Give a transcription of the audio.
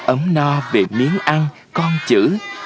ấm no về miếng ăn con chữ